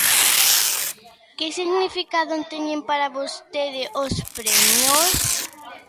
Que significado teñen para vostede os premios?